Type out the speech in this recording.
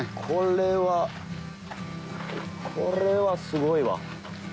これはこれはすごいわ。